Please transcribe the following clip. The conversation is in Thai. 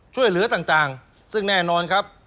ช่วยเหลือต่างซึ่งแน่นอนครับ